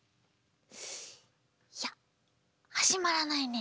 いやはじまらないね。